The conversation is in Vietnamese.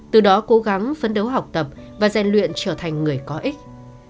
từ đó cố gắng phấn đấu học tập và gian luyện trở thành người có ích